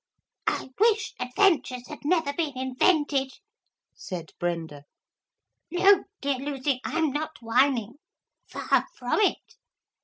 'I wish adventures had never been invented,' said Brenda. 'No, dear Lucy, I am not whining. Far from it.